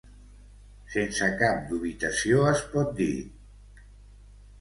Sense cap dubitació es pot dir